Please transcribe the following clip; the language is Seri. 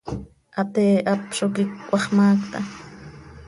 Hatee hap zo quicö, hax maacta.